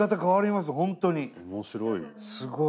面白い。